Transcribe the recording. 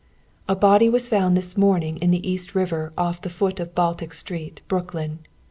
"A body was found this morning in the East River off the foot of Baltic Street, Brooklyn.